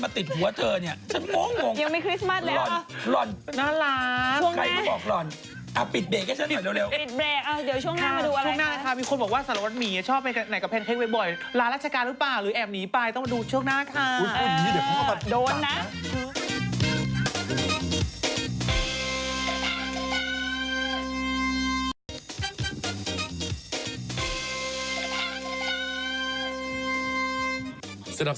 เดี๋ยวช่วงหน้ามาดูช่วงหน้านะคะมีคนบอกว่าสารวัสหมีชอบไปไหนกับแพนเค้กบ่อยลาราชการหรือเปล่าหรือแอบหนีไปต้องมาดูช่วงหน้าค่ะ